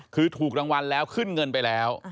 คือถูกรางวัลแล้วขึ้นเงินไปแล้ว